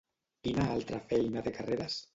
Quina altra feina té Carreras?